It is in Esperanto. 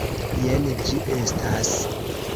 Jen ĝi estas: